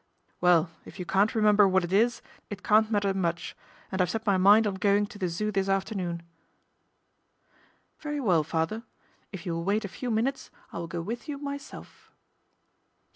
' Well ! if you can't remember what it is, it can't matter much, and I've set my mind on going to the Zoo this afternoon." ' Very well, father. If you will wait a few minutes I will go with you myself."